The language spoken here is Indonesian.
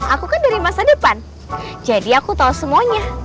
aku kan dari masa depan jadi aku tahu semuanya